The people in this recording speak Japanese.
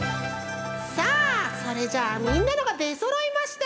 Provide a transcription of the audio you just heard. さあそれじゃみんなのがでそろいました！